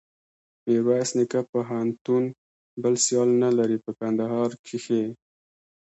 میرویس نیکه پوهنتون بل سیال نلري په کندهار کښي.